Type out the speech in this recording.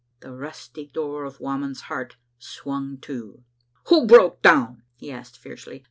The rusty door of Whamond 's heart swung to. "Who broke down?" he asked fiercely.